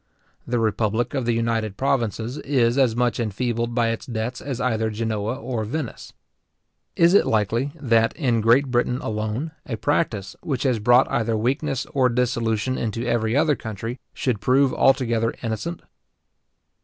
The republic of the United Provinces is as much enfeebled by its debts as either Genoa or Venice. Is it likely that, in Great Britain alone, a practice, which has brought either weakness or dissolution into every other country, should prove altogether innocent?